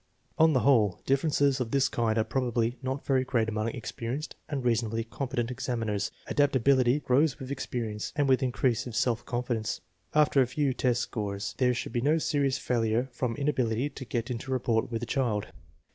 On the whole, differences of this kind are probably not very great among experienced and reasonably competent examiners. Adaptability grows with experience and with increase of self confidence. After a few score tests there should be no serious failure from inability to get into rap port with the child.